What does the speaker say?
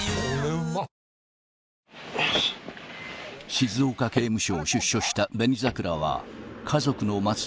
静岡刑務所を出所した紅桜は家族の待つ